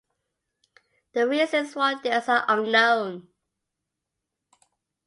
The reasons for this are unknown.